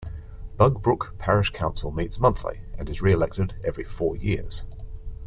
Bugbrooke Parish Council meets monthly and is re-elected every four years.